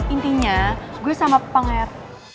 intinya gue sama panger